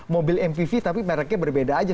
mobil mpv tapi mereknya berbeda aja